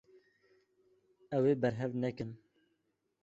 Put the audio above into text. Ew ê berhev nekin.